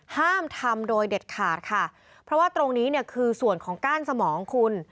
ห้ามทำโดยเด็ดขาดค่ะเพราะว่าตรงนี้เนี่ยคือส่วนของก้านสมองคุณ